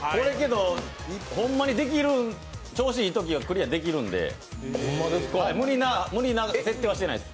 ホンマにできる、調子いいときはクリアできるんで、無理な設定はしていないです。